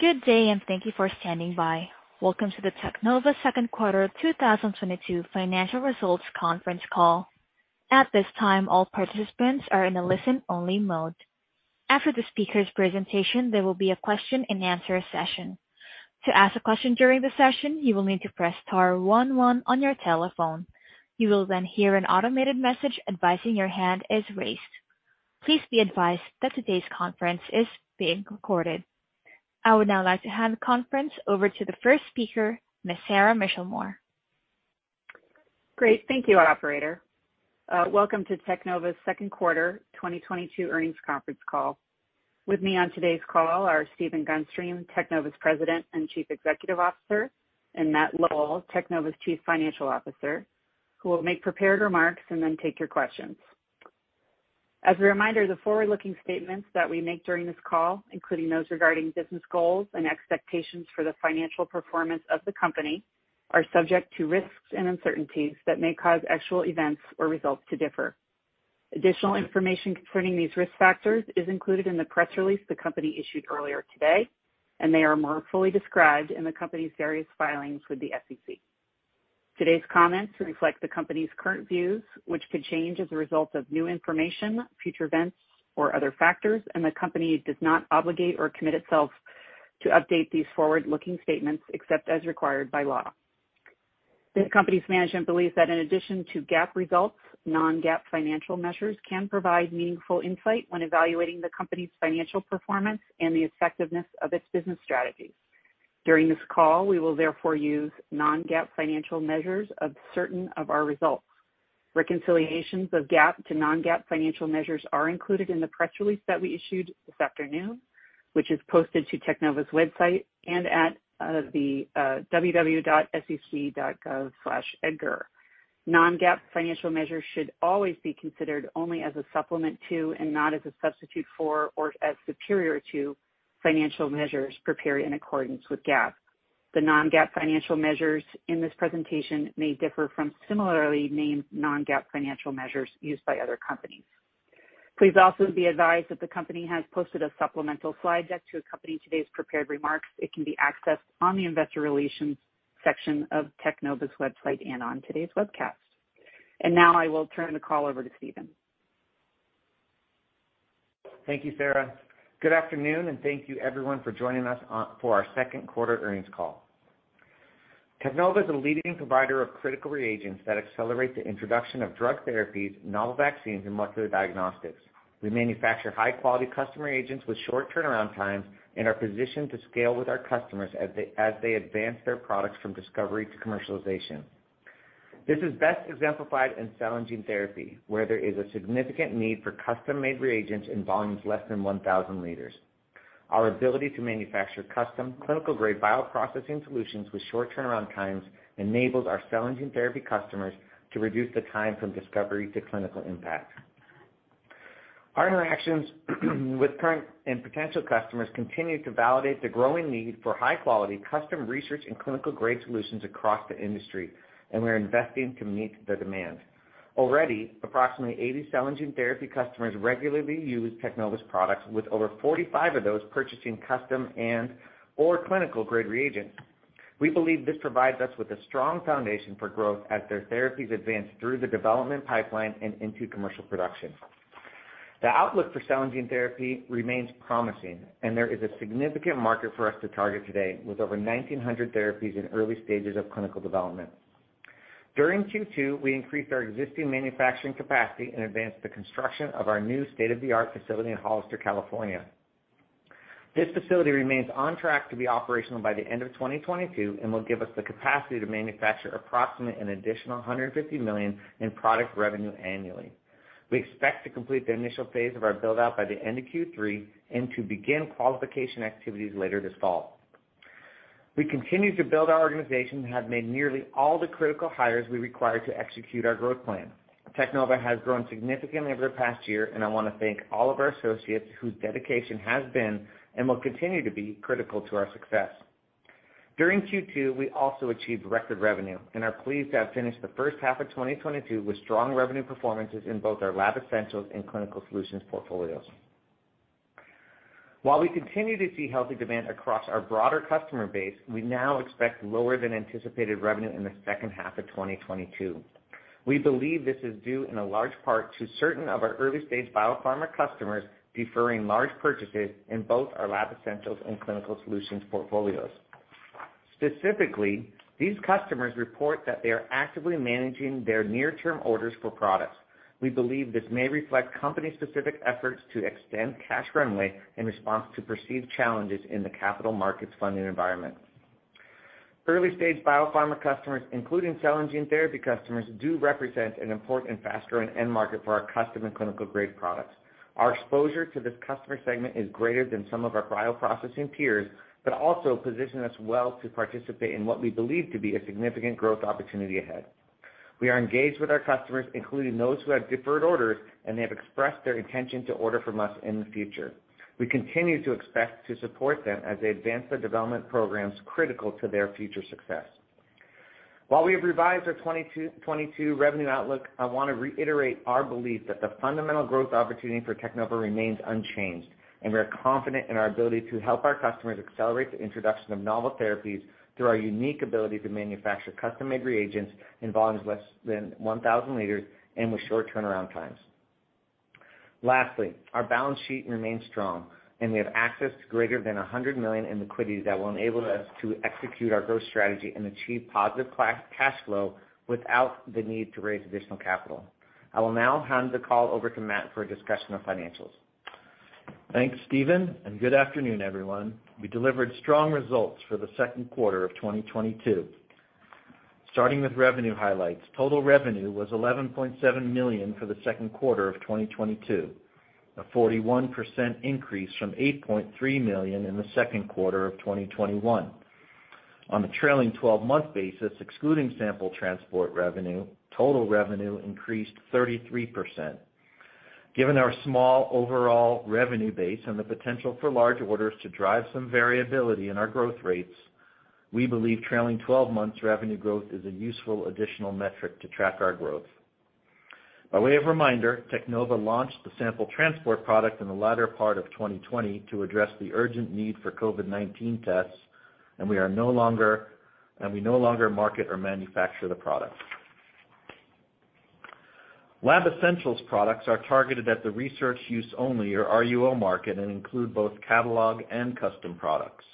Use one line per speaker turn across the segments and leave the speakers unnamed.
Good day, and thank you for standing by. Welcome to the Teknova second quarter 2022 financial results conference call. At this time, all participants are in a listen-only mode. After the speaker's presentation, there will be a question-and-answer session. To ask a question during the session, you will need to press star one one on your telephone. You will then hear an automated message advising your hand is raised. Please be advised that today's conference is being recorded. I would now like to hand the conference over to the first speaker, Ms. Sara Michelmore.
Great. Thank you, operator. Welcome to Teknova's second quarter 2022 earnings conference call. With me on today's call are Stephen Gunstream, Teknova's President and Chief Executive Officer, and Matt Lowell, Teknova's Chief Financial Officer, who will make prepared remarks and then take your questions. As a reminder, the forward-looking statements that we make during this call, including those regarding business goals and expectations for the financial performance of the company, are subject to risks and uncertainties that may cause actual events or results to differ. Additional information concerning these risk factors is included in the press release the company issued earlier today, and they are more fully described in the company's various filings with the SEC. Today's comments reflect the company's current views, which could change as a result of new information, future events, or other factors, and the company does not obligate or commit itself to update these forward-looking statements except as required by law. The company's management believes that in addition to GAAP results, non-GAAP financial measures can provide meaningful insight when evaluating the company's financial performance and the effectiveness of its business strategies. During this call, we will therefore use non-GAAP financial measures of certain of our results. Reconciliations of GAAP to non-GAAP financial measures are included in the press release that we issued this afternoon, which is posted to Teknova's website and at www.sec.gov/EDGAR. Non-GAAP financial measures should always be considered only as a supplement to, and not as a substitute for or as superior to, financial measures prepared in accordance with GAAP. The non-GAAP financial measures in this presentation may differ from similarly named non-GAAP financial measures used by other companies. Please also be advised that the company has posted a supplemental slide deck to accompany today's prepared remarks. It can be accessed on the investor relations section of Teknova's website and on today's webcast. Now I will turn the call over to Stephen.
Thank you, Sara. Good afternoon, and thank you everyone for joining us for our second quarter earnings call. Teknova is a leading provider of critical reagents that accelerate the introduction of drug therapies, novel vaccines, and molecular diagnostics. We manufacture high-quality custom reagents with short turnaround times and are positioned to scale with our customers as they advance their products from discovery to commercialization. This is best exemplified in cell and gene therapy, where there is a significant need for custom-made reagents in volumes less than 1,000 liters. Our ability to manufacture custom clinical-grade bioprocessing solutions with short turnaround times enables our cell and gene therapy customers to reduce the time from discovery to clinical impact. Our interactions with current and potential customers continue to validate the growing need for high-quality custom research and clinical-grade solutions across the industry, and we are investing to meet the demand. Already, approximately 80 cell and gene therapy customers regularly use Teknova's products, with over 45 of those purchasing custom and/or clinical-grade reagents. We believe this provides us with a strong foundation for growth as their therapies advance through the development pipeline and into commercial production. The outlook for cell and gene therapy remains promising, and there is a significant market for us to target today, with over 1,900 therapies in early stages of clinical development. During Q2, we increased our existing manufacturing capacity and advanced the construction of our new state-of-the-art facility in Hollister, California. This facility remains on track to be operational by the end of 2022 and will give us the capacity to manufacture approximately an additional $150 million in product revenue annually. We expect to complete the initial phase of our build-out by the end of Q3 and to begin qualification activities later this fall. We continue to build our organization and have made nearly all the critical hires we require to execute our growth plan. Teknova has grown significantly over the past year, and I want to thank all of our associates whose dedication has been and will continue to be critical to our success. During Q2, we also achieved record revenue and are pleased to have finished the first half of 2022 with strong revenue performances in both our Lab Essentials and Clinical Solutions portfolios. While we continue to see healthy demand across our broader customer base, we now expect lower than anticipated revenue in the second half of 2022. We believe this is due in a large part to certain of our early-stage biopharma customers deferring large purchases in both our Lab Essentials and Clinical Solutions portfolios. Specifically, these customers report that they are actively managing their near-term orders for products. We believe this may reflect company-specific efforts to extend cash runway in response to perceived challenges in the capital markets funding environment. Early-stage biopharma customers, including cell and gene therapy customers, do represent an important and faster and end market for our custom and clinical-grade products. Our exposure to this customer segment is greater than some of our bioprocessing peers, but also position us well to participate in what we believe to be a significant growth opportunity ahead. We are engaged with our customers, including those who have deferred orders, and they have expressed their intention to order from us in the future. We continue to expect to support them as they advance their development programs critical to their future success. While we have revised our 2022 revenue outlook, I wanna reiterate our belief that the fundamental growth opportunity for Teknova remains unchanged, and we are confident in our ability to help our customers accelerate the introduction of novel therapies through our unique ability to manufacture custom-made reagents in volumes less than 1,000 liters and with short turnaround times. Lastly, our balance sheet remains strong, and we have access to greater than $100 million in liquidity that will enable us to execute our growth strategy and achieve positive cash flow without the need to raise additional capital. I will now hand the call over to Matt for a discussion of financials.
Thanks, Stephen, and good afternoon, everyone. We delivered strong results for the second quarter of 2022. Starting with revenue highlights, total revenue was $11.7 million for the second quarter of 2022, a 41% increase from $8.3 million in the second quarter of 2021. On the trailing 12-month basis, excluding Sample Transport revenue, total revenue increased 33%. Given our small overall revenue base and the potential for large orders to drive some variability in our growth rates, we believe trailing 12 months revenue growth is a useful additional metric to track our growth. By way of reminder, Teknova launched the Sample Transport product in the latter part of 2020 to address the urgent need for COVID-19 tests and we no longer market or manufacture the product. Lab Essentials products are targeted at the research use only, or RUO market, and include both catalog and custom products.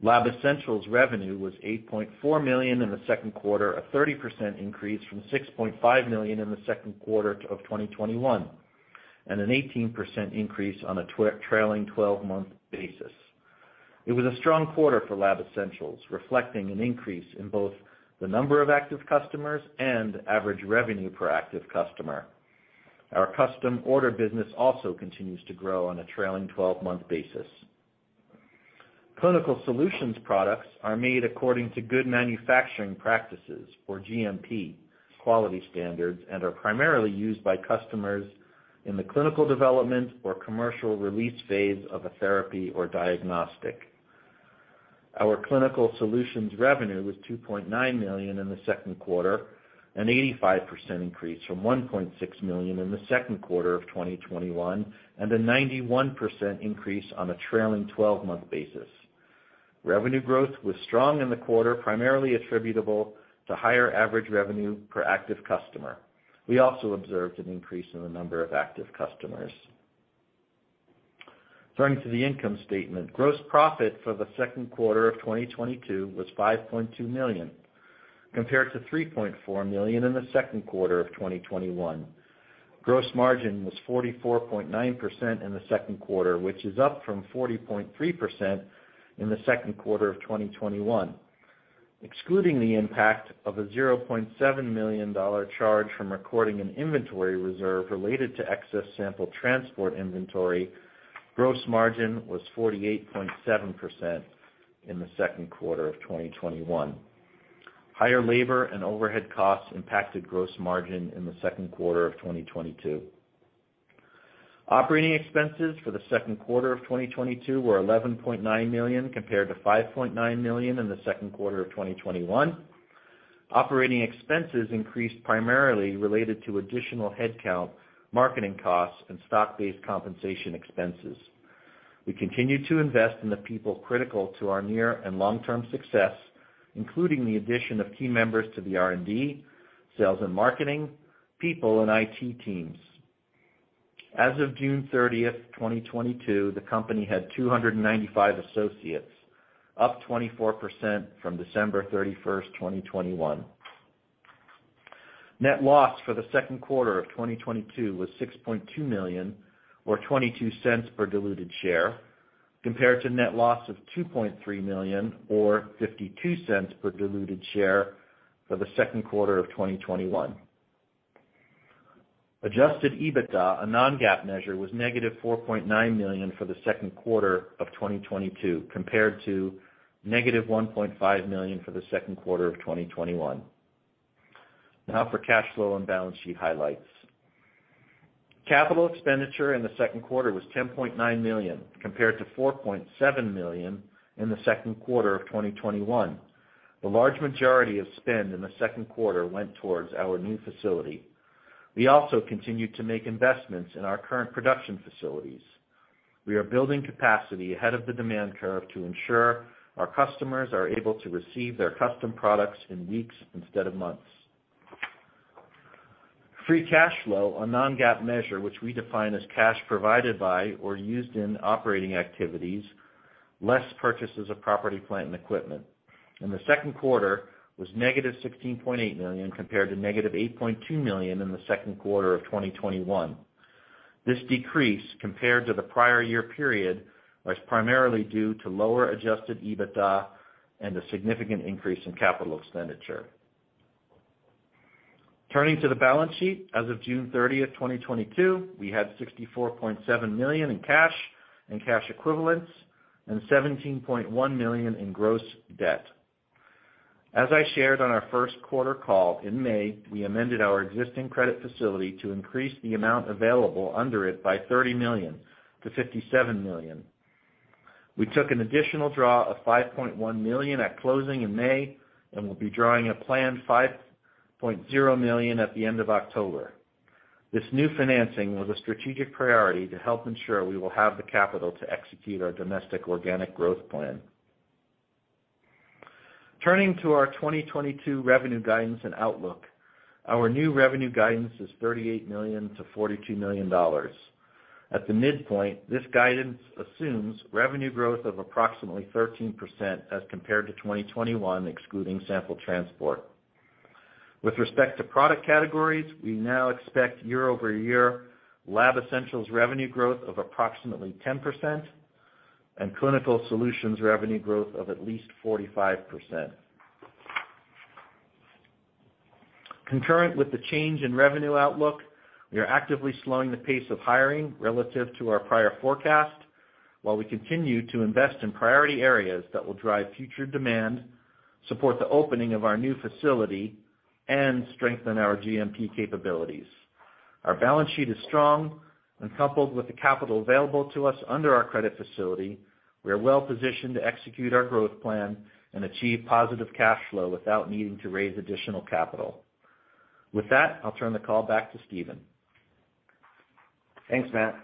Lab Essentials revenue was $8.4 million in the second quarter, a 30% increase from $6.5 million in the second quarter of 2021, and an 18% increase on a trailing twelve-month basis. It was a strong quarter for Lab Essentials, reflecting an increase in both the number of active customers and average revenue per active customer. Our custom order business also continues to grow on a trailing twelve-month basis. Clinical Solutions products are made according to good manufacturing practices, or GMP, quality standards and are primarily used by customers in the clinical development or commercial release phase of a therapy or diagnostic. Our Clinical Solutions revenue was $2.9 million in the second quarter, an 85% increase from $1.6 million in the second quarter of 2021, and a 91% increase on a trailing twelve-month basis. Revenue growth was strong in the quarter, primarily attributable to higher average revenue per active customer. We also observed an increase in the number of active customers. Turning to the income statement. Gross profit for the second quarter of 2022 was $5.2 million, compared to $3.4 million in the second quarter of 2021. Gross margin was 44.9% in the second quarter, which is up from 40.3% in the second quarter of 2021. Excluding the impact of a $0.7 million charge from recording an inventory reserve related to excess Sample Transport inventory, gross margin was 48.7% in the second quarter of 2021. Higher labor and overhead costs impacted gross margin in the second quarter of 2022. Operating expenses for the second quarter of 2022 were $11.9 million compared to $5.9 million in the second quarter of 2021. Operating expenses increased primarily related to additional headcount, marketing costs, and stock-based compensation expenses. We continue to invest in the people critical to our near and long-term success, including the addition of key members to the R&D, sales and marketing, people and IT teams. As of June 30, 2022, the company had 295 associates, up 24% from December 31, 2021. Net loss for the second quarter of 2022 was $6.2 million, or $0.22 per diluted share, compared to net loss of $2.3 million, or $0.52 per diluted share for the second quarter of 2021. Adjusted EBITDA, a non-GAAP measure, was -$4.9 million for the second quarter of 2022, compared to -$1.5 million for the second quarter of 2021. Now for cash flow and balance sheet highlights. Capital expenditure in the second quarter was $10.9 million, compared to $4.7 million in the second quarter of 2021. The large majority of spend in the second quarter went towards our new facility. We also continued to make investments in our current production facilities. We are building capacity ahead of the demand curve to ensure our customers are able to receive their custom products in weeks instead of months. Free cash flow, a non-GAAP measure, which we define as cash provided by or used in operating activities less purchases of property, plant, and equipment, in the second quarter was -$16.8 million compared to -$8.2 million in the second quarter of 2021. This decrease compared to the prior year period was primarily due to lower Adjusted EBITDA and a significant increase in capital expenditure. Turning to the balance sheet, as of June 30, 2022, we had $64.7 million in cash and cash equivalents and $17.1 million in gross debt. As I shared on our first quarter call in May, we amended our existing credit facility to increase the amount available under it by $30 million to $57 million. We took an additional draw of $5.1 million at closing in May, and we'll be drawing a planned $5.0 million at the end of October. This new financing was a strategic priority to help ensure we will have the capital to execute our domestic organic growth plan. Turning to our 2022 revenue guidance and outlook. Our new revenue guidance is $38 million-$42 million. At the midpoint, this guidance assumes revenue growth of approximately 13% as compared to 2021, excluding Sample Transport. With respect to product categories, we now expect year-over-year Lab Essentials revenue growth of approximately 10% and Clinical Solutions revenue growth of at least 45%. Concurrent with the change in revenue outlook, we are actively slowing the pace of hiring relative to our prior forecast, while we continue to invest in priority areas that will drive future demand, support the opening of our new facility, and strengthen our GMP capabilities. Our balance sheet is strong and coupled with the capital available to us under our credit facility, we are well-positioned to execute our growth plan and achieve positive cash flow without needing to raise additional capital. With that, I'll turn the call back to Stephen.
Thanks, Matt.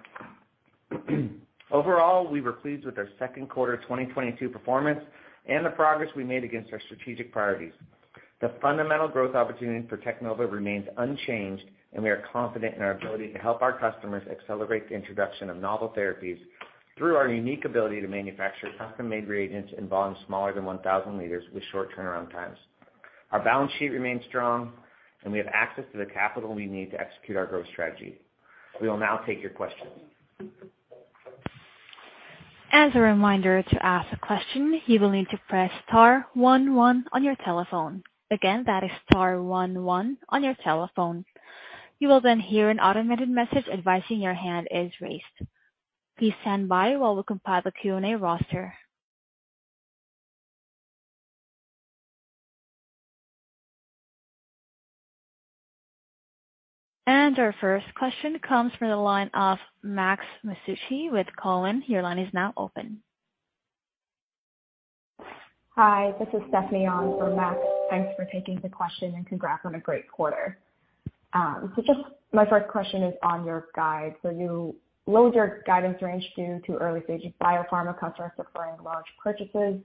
Overall, we were pleased with our second quarter 2022 performance and the progress we made against our strategic priorities. The fundamental growth opportunity for Teknova remains unchanged, and we are confident in our ability to help our customers accelerate the introduction of novel therapies through our unique ability to manufacture custom-made reagents in volumes smaller than 1,000 liters with short turnaround times. Our balance sheet remains strong, and we have access to the capital we need to execute our growth strategy. We will now take your questions.
As a reminder, to ask a question, you will need to press star one one on your telephone. Again, that is star one one on your telephone. You will then hear an automated message advising your hand is raised. Please stand by while we compile the Q&A roster. Our first question comes from the line of Max Masucci with Cowen. Your line is now open.
Hi, this is Stephanie on for Max. Thanks for taking the question and congrats on a great quarter. Just my first question is on your guide. You lowered your guidance range due to early-stage biopharma customers deferring large purchases.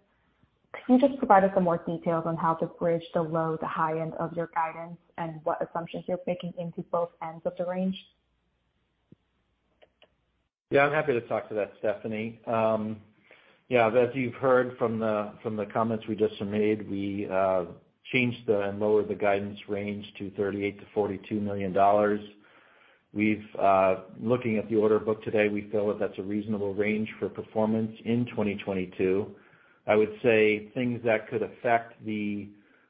Could you just provide us some more details on how to bridge the low to high end of your guidance and what assumptions you're baking into both ends of the range?
Yeah, I'm happy to talk to that, Stephanie. Yeah, as you've heard from the comments we just made, we changed and lowered the guidance range to $38 million-$42 million. We're looking at the order book today, we feel that that's a reasonable range for performance in 2022. I would say things that could affect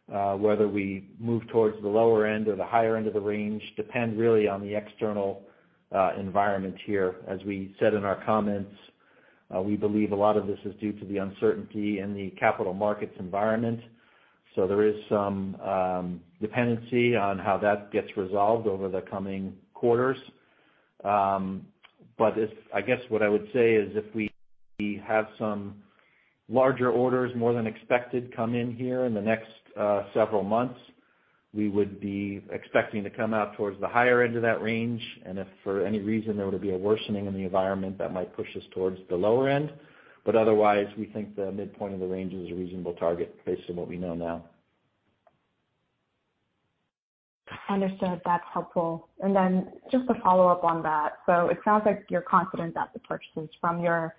whether we move towards the lower end or the higher end of the range depend really on the external environment here. As we said in our comments, we believe a lot of this is due to the uncertainty in the capital markets environment. There is some dependency on how that gets resolved over the coming quarters. I guess what I would say is if we have some larger orders, more than expected, come in here in the next several months, we would be expecting to come out towards the higher end of that range. If for any reason there were to be a worsening in the environment, that might push us towards the lower end. Otherwise, we think the midpoint of the range is a reasonable target based on what we know now.
Understood. That's helpful. Then just to follow up on that. It sounds like you're confident that the purchases from your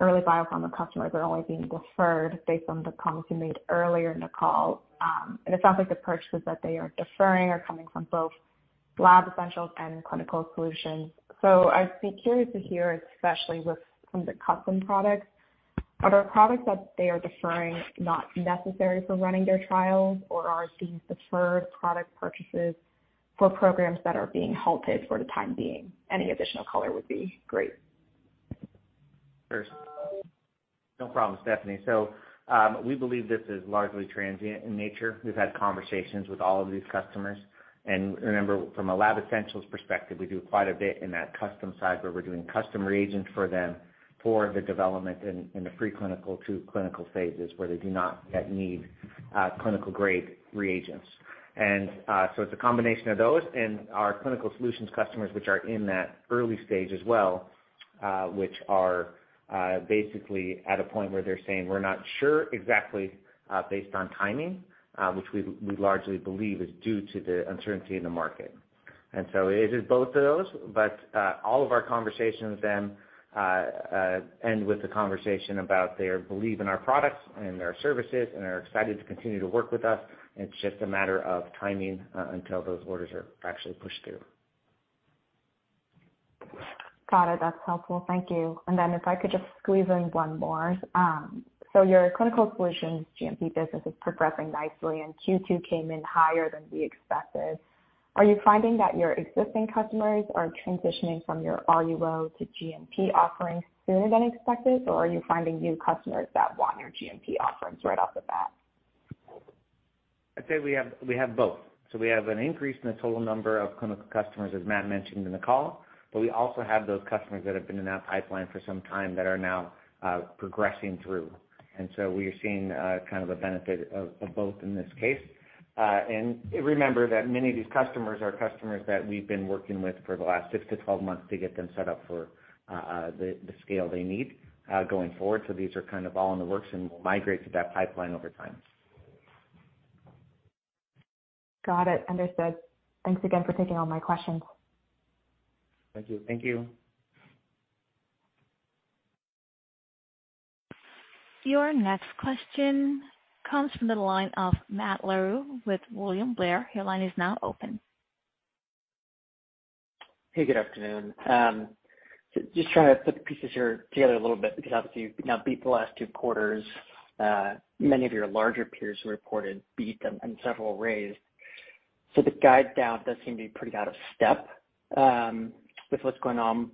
early biopharma customers are only being deferred based on the comments you made earlier in the call. It sounds like the purchases that they are deferring are coming from both Lab Essentials and Clinical Solutions. I'd be curious to hear, especially with some of the custom products, are there products that they are deferring not necessary for running their trials, or are these deferred product purchases for programs that are being halted for the time being? Any additional color would be great.
Sure. No problem, Stephanie. We believe this is largely transient in nature. We've had conversations with all of these customers. Remember, from a Lab Essentials perspective, we do quite a bit in that custom side where we're doing custom reagents for them, for the development in the pre-clinical to clinical phases where they do not yet need clinical-grade reagents. It's a combination of those and our Clinical Solutions customers, which are in that early stage as well, which are basically at a point where they're saying, "We're not sure exactly based on timing," which we largely believe is due to the uncertainty in the market. It is both of those. All of our conversations then end with the conversation about their belief in our products and their services and are excited to continue to work with us. It's just a matter of timing until those orders are actually pushed through.
Got it. That's helpful. Thank you. If I could just squeeze in one more. Your Clinical Solutions GMP business is progressing nicely and Q2 came in higher than we expected. Are you finding that your existing customers are transitioning from your RUO to GMP offerings sooner than expected, or are you finding new customers that want your GMP offerings right off the bat?
I'd say we have both. We have an increase in the total number of clinical customers, as Matt mentioned in the call, but we also have those customers that have been in that pipeline for some time that are now progressing through. We are seeing kind of a benefit of both in this case. Remember that many of these customers are customers that we've been working with for the last six-12 months to get them set up for the scale they need going forward. These are kind of all in the works and will migrate to that pipeline over time.
Got it. Understood. Thanks again for taking all my questions.
Thank you. Thank you.
Your next question comes from the line of Matthew Larew with William Blair. Your line is now open.
Hey, good afternoon. Just trying to put the pieces here together a little bit, because obviously you've now beat the last two quarters, many of your larger peers who reported beat them and several raised. The guide down does seem to be pretty out of step, with what's going on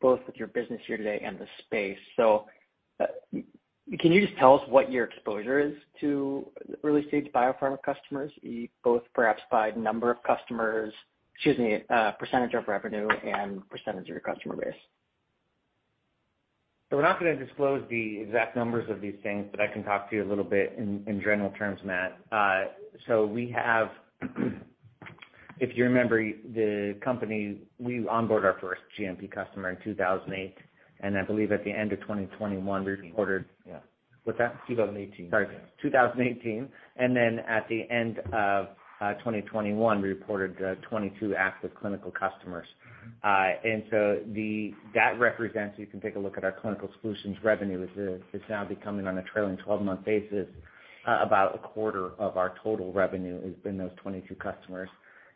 both with your business here today and the space. Can you just tell us what your exposure is to early-stage biopharma customers, both perhaps by number of customers, excuse me, percentage of revenue and percentage of your customer base?
We're not gonna disclose the exact numbers of these things, but I can talk to you a little bit in general terms, Matt. We have, if you remember the company, we onboard our first GMP customer in 2008, and I believe at the end of 2021, we reported.
Eighteen.
Yeah. What's that?
2018.
Sorry, 2018. At the end of 2021, we reported 22 active clinical customers. That represents. You can take a look at our Clinical Solutions revenue is now becoming on a trailing twelve-month basis, about a quarter of our total revenue is in those 22 customers.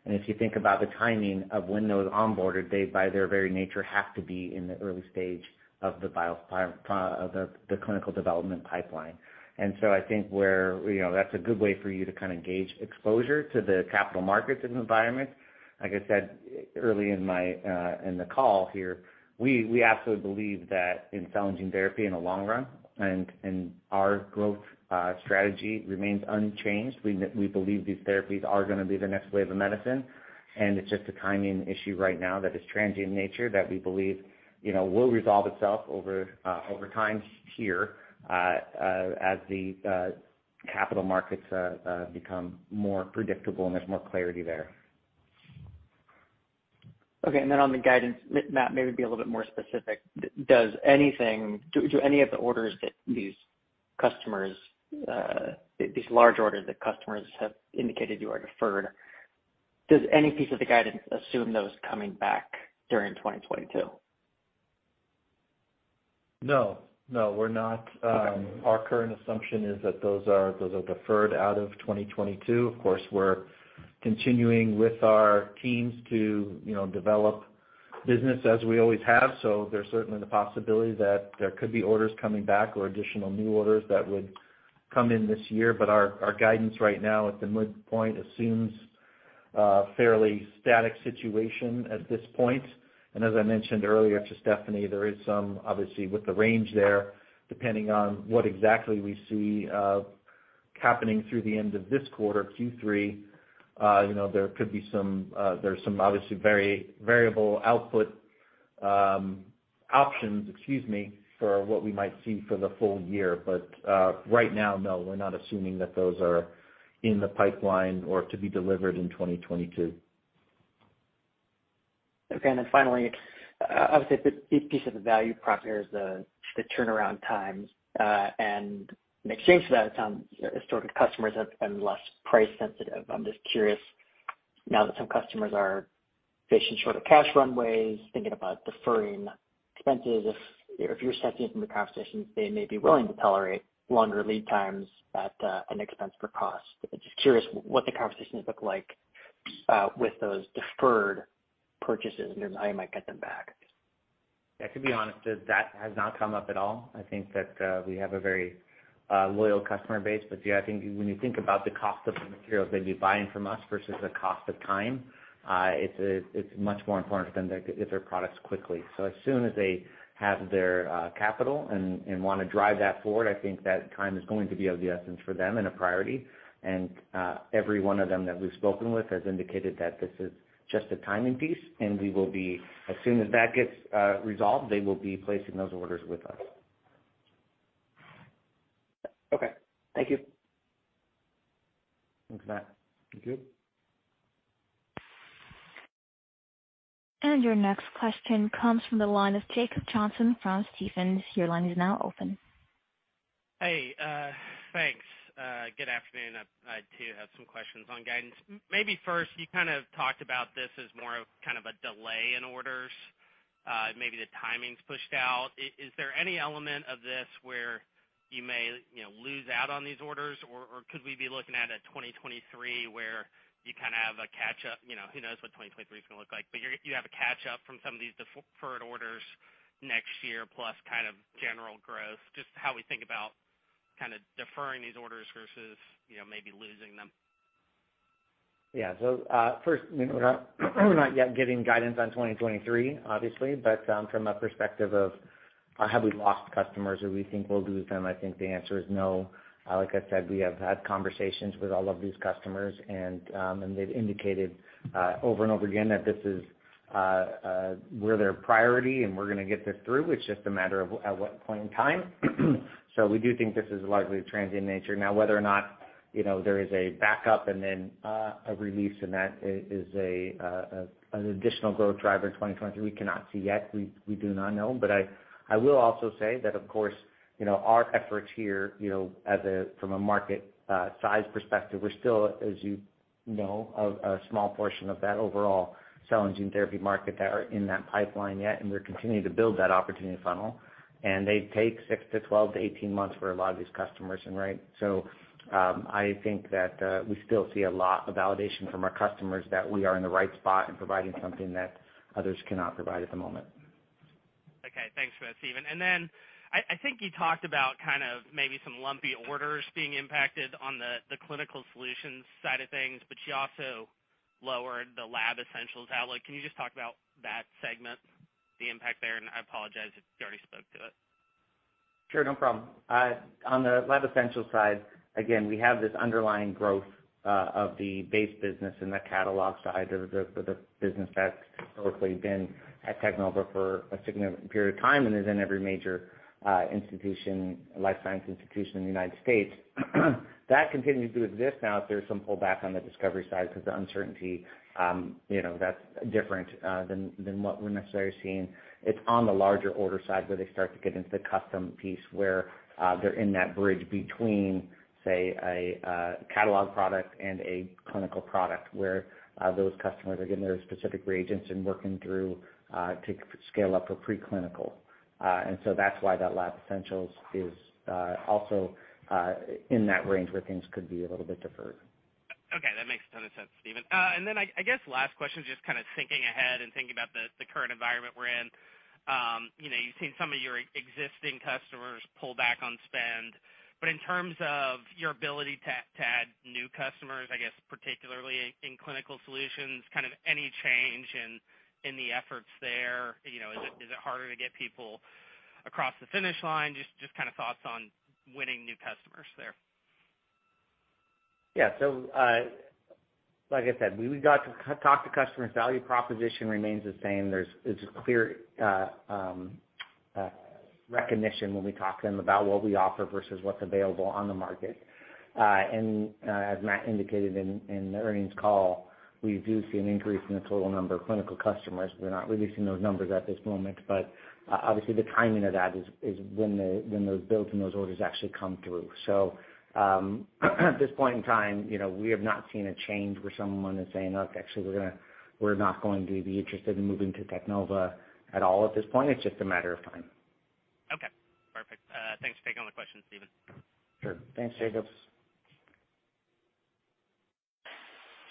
If you think about the timing of when those onboarded, they, by their very nature, have to be in the early stage of the biopharma clinical development pipeline. I think, you know, that's a good way for you to kind of gauge exposure to the capital markets and environment. Like I said early in the call here, we absolutely believe that in cell and gene therapy in the long run and our growth strategy remains unchanged. We believe these therapies are gonna be the next wave of medicine, and it's just a timing issue right now that is transient in nature that we believe, you know, will resolve itself over time here, as the capital markets become more predictable and there's more clarity there.
Okay, on the guidance, Matt, maybe be a little bit more specific. Does any of the orders that these customers, these large orders that customers have indicated to you are deferred, does any piece of the guidance assume those coming back during 2022?
No, no, we're not.
Okay.
Our current assumption is that those are deferred out of 2022. Of course, we're continuing with our teams to, you know, develop business as we always have. There's certainly the possibility that there could be orders coming back or additional new orders that would come in this year. Our guidance right now at the midpoint assumes a fairly static situation at this point. As I mentioned earlier to Stephanie, there is some, obviously, with the range there, depending on what exactly we see happening through the end of this quarter, Q3, you know, there could be some obviously very variable output options, excuse me, for what we might see for the full year. Right now, no, we're not assuming that those are in the pipeline or to be delivered in 2022.
Okay. Finally, obviously a big, big piece of the value prop here is the turnaround times. In exchange for that, it sounds historically customers have been less price sensitive. I'm just curious, now that some customers are facing shorter cash runways, thinking about deferring expenses if you're sensing from the conversations they may be willing to tolerate longer lead times at an expense for cost. Just curious what the conversations look like with those deferred purchases and how you might get them back.
Yeah, to be honest, that has not come up at all. I think that we have a very loyal customer base. Yeah, I think when you think about the cost of the materials they'd be buying from us versus the cost of time, it's much more important to them to get their products quickly. As soon as they have their capital and wanna drive that forward, I think that time is going to be of the essence for them and a priority. Every one of them that we've spoken with has indicated that this is just a timing piece, and we will be, as soon as that gets resolved, they will be placing those orders with us.
Okay. Thank you.
Thanks, Matt.
Thank you.
Your next question comes from the line of Jacob Johnson from Stephens. Your line is now open.
Hey, thanks. Good afternoon. I too have some questions on guidance. Maybe first, you kind of talked about this as more of kind of a delay in orders, maybe the timing's pushed out. Is there any element of this where you may, you know, lose out on these orders, or could we be looking at a 2023 where you kind of have a catch up, you know, who knows what 2023 is gonna look like, but you have a catch up from some of these deferred orders next year, plus kind of general growth, just how we think about kind of deferring these orders versus, you know, maybe losing them.
Yeah. First, you know, we're not yet giving guidance on 2023, obviously, but from a perspective of, have we lost customers or we think we'll lose them, I think the answer is no. Like I said, we have had conversations with all of these customers and they've indicated over and over again that this is, we're their priority, and we're gonna get this through. It's just a matter of at what point in time. We do think this is largely a transient nature. Now, whether or not, you know, there is a backup and then a release in that is a an additional growth driver in 2023, we cannot see yet. We do not know. I will also say that, of course, you know, our efforts here, you know, from a market size perspective, we're still, as you know, a small portion of that overall cell and gene therapy market that are in that pipeline yet, and we're continuing to build that opportunity funnel. They take six to 12 to 18 months for a lot of these customers, and right. I think that we still see a lot of validation from our customers that we are in the right spot in providing something that others cannot provide at the moment.
Okay. Thanks for that, Stephen. I think you talked about kind of maybe some lumpy orders being impacted on the Clinical Solutions side of things, but you also lowered the Lab Essentials outlook. Can you just talk about that segment, the impact there? I apologize if you already spoke to it.
Sure. No problem. On the Lab Essentials side, again, we have this underlying growth of the base business in the catalog side or the business that's historically been at Teknova for a significant period of time and is in every major institution, life science institution in the U.S.. That continues to exist now that there's some pullback on the discovery side because the uncertainty, you know, that's different than what we're necessarily seeing. It's on the larger order side where they start to get into the custom piece where they're in that bridge between, say, a catalog product and a clinical product where those customers are getting their specific reagents and working through to scale up for pre-clinical. That's why that Lab Essentials is also in that range where things could be a little bit deferred.
Okay, that makes a ton of sense, Stephen. I guess last question, just kind of thinking ahead and thinking about the current environment we're in. You know, you've seen some of your existing customers pull back on spend, but in terms of your ability to add new customers, I guess particularly in Clinical Solutions, kind of any change in the efforts there. You know, is it harder to get people across the finish line? Just kind of thoughts on winning new customers there.
Yeah. Like I said, we got to talk to customers. Value proposition remains the same. It's clear recognition when we talk to them about what we offer versus what's available on the market. As Matt indicated in the earnings call, we do see an increase in the total number of clinical customers. We're not releasing those numbers at this moment, but obviously the timing of that is when those bills and those orders actually come through. At this point in time, you know, we have not seen a change where someone is saying, "Look, actually, we're not going to be interested in moving to Teknova at all at this point." It's just a matter of time.
Okay. Perfect. Thanks for taking all the questions, Stephen.
Sure. Thanks, Jacob.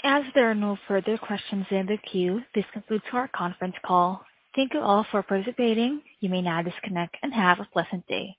As there are no further questions in the queue, this concludes our conference call. Thank you all for participating. You may now disconnect and have a pleasant day.